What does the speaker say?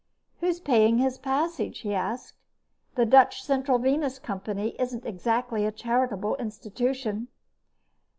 "Who's paying his passage?" he asked. "The Dutch Central Venus Company isn't exactly a charitable institution."